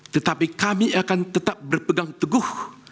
tetapi kami akan tetap berpegang teguh